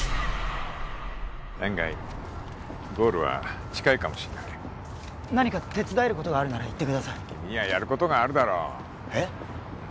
案外ゴールは近いかもしんない何か手伝えることがあるなら言ってください君はやることがあるだろえッ？